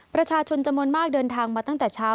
ประชาชนจำนวนมากเดินทางมาตั้งแต่เช้า